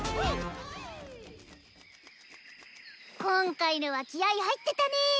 今回のは気合い入ってたね。